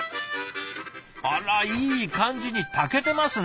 あらいい感じに炊けてますね。